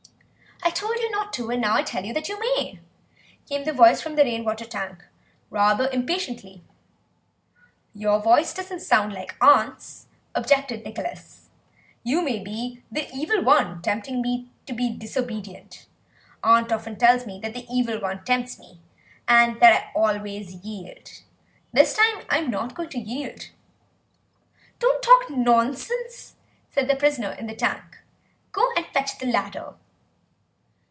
"I told you not to, and now I tell you that you may," came the voice from the rain water tank, rather impatiently. "Your voice doesn't sound like aunt's," objected Nicholas; "you may be the Evil One tempting me to be disobedient. Aunt often tells me that the Evil One tempts me and that I always yield. This time I'm not going to yield." "Don't talk nonsense," said the prisoner in the tank; "go and fetch the ladder."